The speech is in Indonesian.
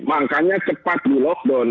makanya cepat di lockdown